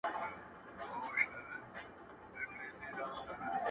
تازه زخمونه مي د خیال په اوښکو مه لمبوه؛